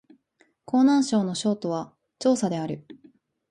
湖南省の省都は長沙である